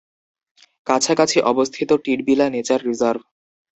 কাছাকাছি অবস্থিত টিডবিলা nature reserve.